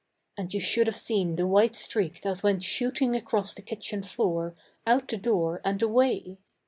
And you should have seen the white streak that went shooting across the kitchen floor, out the door, and away.